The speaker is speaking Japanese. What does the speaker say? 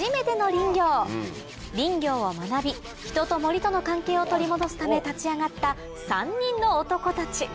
林業を学び人と森との関係を取り戻すため立ち上がった３人の男たち。